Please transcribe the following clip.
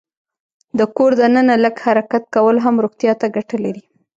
د کور دننه لږ حرکت کول هم روغتیا ته ګټه لري.